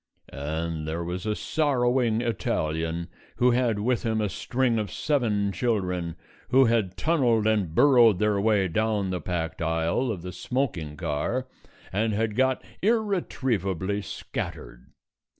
And there was a sorrowing Italian who had with him a string of seven children who had tunnelled and burrowed their way down the packed aisle of the smoking car and had got irretrievably scattered.